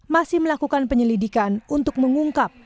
masih melakukan penyelidikan untuk mengungkap